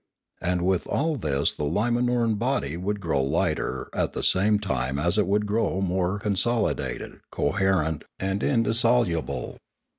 And with all this the Limanoran body would grow lighter at the same time as it would grow more consol idated, coherent, and indissoluble.